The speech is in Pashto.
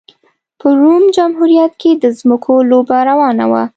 په روم جمهوریت کې د ځمکو لوبه روانه وه